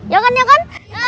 ya kan ya kan